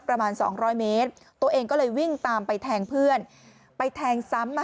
ประมาณสองร้อยเมตรตัวเองก็เลยวิ่งตามไปแทงเพื่อนไปแทงซ้ำมา